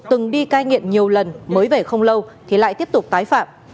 từng đi cai nghiện nhiều lần mới về không lâu thì lại tiếp tục tái phạm